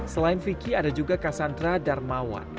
selain vicky ada juga cassandra darmawan